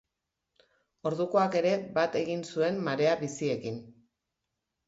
Ordukoak ere bat egin zuen marea biziekin.